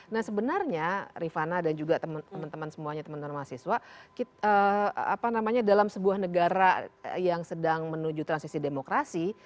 nah sebenarnya rifana dan juga teman teman semuanya teman teman mahasiswa dalam sebuah negara yang sedang menuju transisi demokrasi